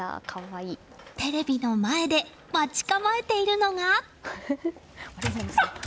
テレビの前で待ち構えているのが。